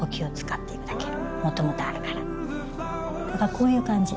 こういう感じ。